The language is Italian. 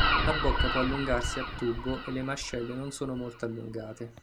La bocca può allungarsi a tubo e le mascelle non sono molto allungate.